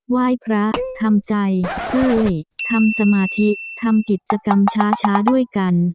ไหว้พระทำใจเอ้ยทำสมาธิทำกิจกรรมช้าด้วยกัน